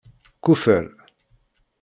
Kuffer.